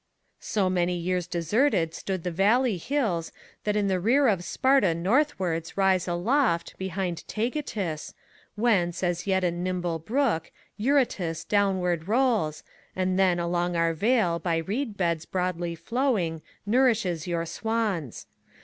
So many years deserted stood the valley hills That in the rear of Sparta northwards rise aloft, Behind Taygetus; whence, as yet a nimble brook, Eurotas downward rolls, and then, along our vale By reed beds broadly flowing, nourishes your swans.